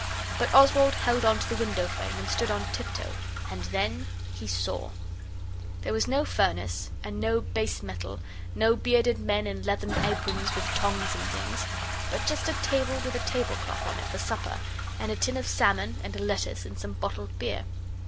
But Oswald held on to the window frame and stood on tiptoe and then he saw. There was no furnace, and no base metal, no bearded men in leathern aprons with tongs and things, but just a table with a table cloth on it for supper, and a tin of salmon and a lettuce and some bottled beer.